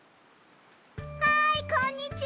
はいこんにちは！